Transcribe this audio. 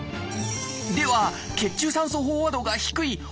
では血中酸素飽和度が低い